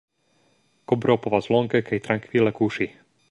Kobro povas longe kaj trankvile kuŝi.